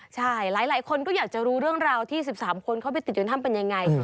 ใช่หลายคนก็อยากจะรู้เรื่องราวที่๑๓คนเข้าไปติดอยู่ในถ้ำเป็นยังไง